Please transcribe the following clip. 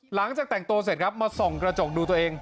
หลังจากแต่งตัวเสร็จครับมาส่องกระจกดูตัวเอง